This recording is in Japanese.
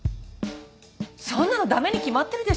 そんなのダメに決まってるでしょ。